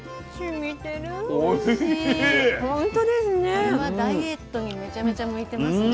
これはダイエットにめちゃめちゃ向いてますね。